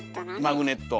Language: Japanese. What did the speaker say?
マグネット。